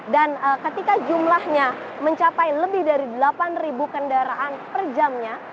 dan ketika jumlahnya mencapai lebih dari delapan kendaraan per jamnya